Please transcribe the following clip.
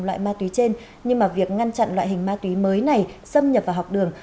loại ma túy trên nhưng mà việc ngăn chặn loại hình ma túy mới này xâm nhập vào học đường